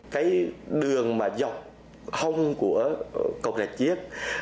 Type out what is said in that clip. cái đường mà dọc hông của cầu đạch chiếc